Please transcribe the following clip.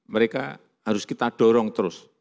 mereka harus kita dorong terus